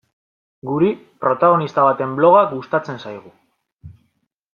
Guri, protagonista baten bloga gustatzen zaigu.